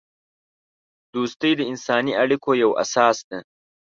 دوستی د انسانی اړیکو یوه اساس ده.